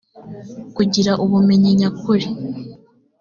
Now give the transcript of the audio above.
kugira ubumenyi nyakuri